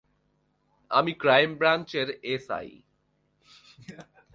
আমি ক্রাইম ব্রাঞ্চের এসআই।